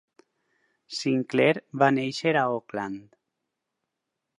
Sinclair va néixer a Auckland.